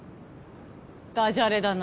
ダジャレだな。